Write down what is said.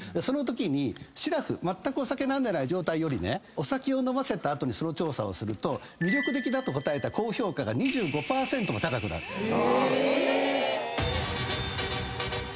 そのときにしらふまったくお酒飲んでない状態よりお酒を飲ませた後にその調査をすると魅力的だと答えた高評価が２５％も高くなった。